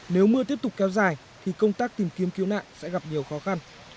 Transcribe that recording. nếu mưa tiếp tục kéo dài thì công tác tìm kiếm cứu nạn sẽ gặp nhiều khó khăn